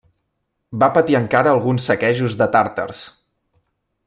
Va patir encara alguns saquejos de tàrtars.